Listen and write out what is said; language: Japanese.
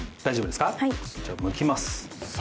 じゃあ向きます。